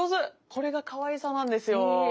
これがかわいさなんですよ。